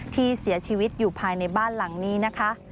ที่เสียชีวิตอยู่ภายในบ้านหลังนี้นะคะ